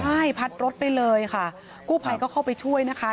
ใช่พัดรถไปเลยค่ะกู้ภัยก็เข้าไปช่วยนะคะ